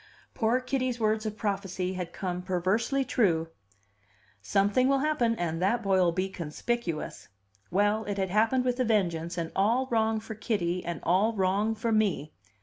Poor Kitty's words of prophecy had come perversely true: "Something will happen, and that boy'll be conspicuous." Well, it had happened with a vengeance, and all wrong for Kitty, and all wrong for me!